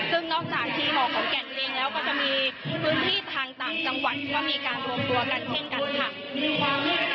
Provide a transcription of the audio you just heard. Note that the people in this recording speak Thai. ซึ่งนอกจากที่หมอกของแก่นเองแล้วก็จะมีพื้นที่ทางต่างจังหวัดก็มีการรวมตัวกันเช่นกันค่ะ